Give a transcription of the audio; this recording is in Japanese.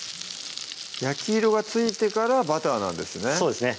焼き色がついてからバターなんですね